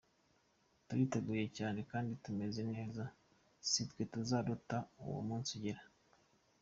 Turiteguye cyane kandi tumeze neza, sitwe tuzarota uwo munsi ugera.